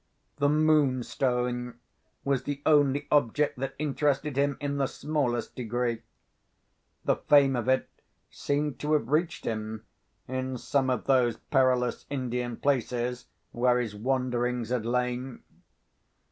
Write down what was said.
The Moonstone was the only object that interested him in the smallest degree. The fame of it seemed to have reached him, in some of those perilous Indian places where his wanderings had lain.